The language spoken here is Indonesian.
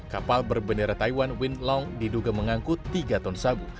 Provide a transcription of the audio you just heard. kapal berbendera taiwan winlong diduga mengangkut tiga ton sabu